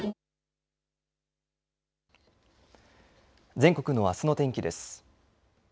全国のあすの天気です。